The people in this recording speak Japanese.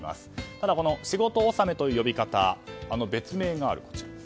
ただ、この仕事納めという呼び方別名がある。